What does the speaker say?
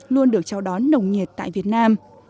luôn được chào đón nồng nhiệt tại việt nam